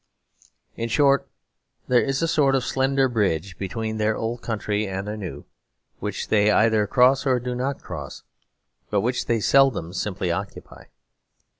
In short, there is a sort of slender bridge between their old country and their new, which they either cross or do not cross, but which they seldom simply occupy.